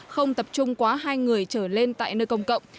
không tập trung quá hai người trở lên tại nơi công cộng